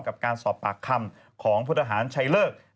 กับการสอบปากคำของพลทหารชัยเลิก